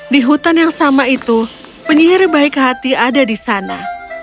di hutan yang sama itu penyihir baik hati ada di sana